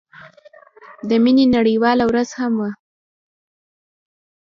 د مينې نړيواله ورځ هم وه.